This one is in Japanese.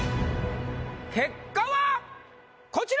結果はこちら！